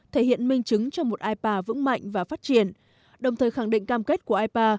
thể hiện minh chứng cho một ipa vững mạnh và phát triển đồng thời khẳng định cam kết của ipa